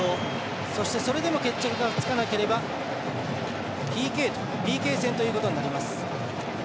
そしてそれでも決着がつかなければＰＫ戦ということになります。